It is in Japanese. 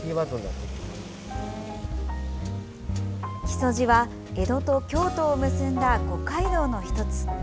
木曽路は江戸と京都を結んだ五街道の１つ。